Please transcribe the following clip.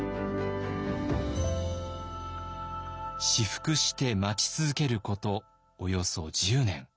雌伏して待ち続けることおよそ１０年。